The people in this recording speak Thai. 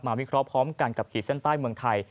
วิเคราะห์พร้อมกันกับขีดเส้นใต้เมืองไทย